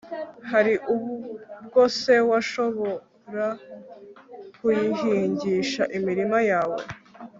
hari ubwo se washobora kuyihingisha imirima yawe